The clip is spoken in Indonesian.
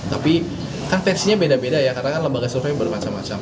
tapi kan tensinya beda beda ya karena kan lembaga survei bermacam macam